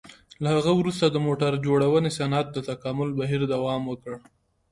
له هغه وروسته د موټر جوړونې صنعت د تکامل بهیر دوام وکړ.